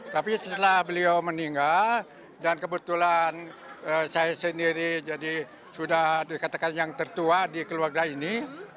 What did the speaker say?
tapi setelah beliau meninggal dan kebetulan saya sendiri jadi sudah dikatakan yang tertua di keluarga ini